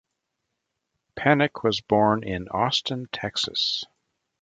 Penick was born in Austin, Texas.